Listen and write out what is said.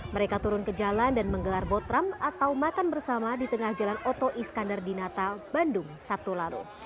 mereka turun ke jalan dan menggelar botram atau makan bersama di tengah jalan oto iskandar di natal bandung sabtu lalu